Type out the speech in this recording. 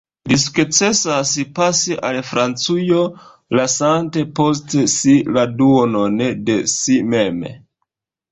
Li sukcesas pasi al Francujo, lasante post si la duonon de si mem.